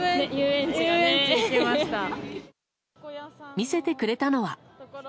見せてくれたのは。